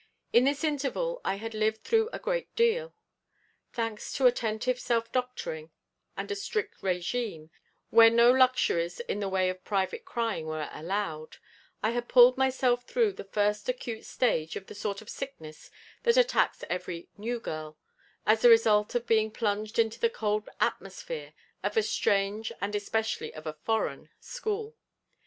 In this interval I had lived through a great deal. Thanks to attentive self doctoring and a strict régime, where no luxuries in the way of private crying were allowed, I had pulled myself through the first acute stage of the sort of sickness that attacks every 'new' girl, as the result of being plunged into the cold atmosphere of a strange, and especially of a foreign, school.